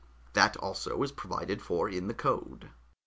That also is provided for in the code."